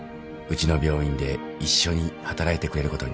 うちの病院で一緒に働いてくれることになりました。